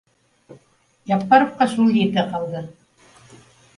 Яппаровҡа шул етә ҡалды: